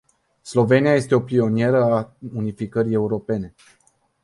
Slovenia este o pionieră a unificării europene.